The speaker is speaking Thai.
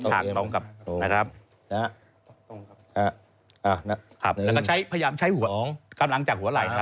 แล้วก็พยายามใช้หัวกำลังจากหัวไหล่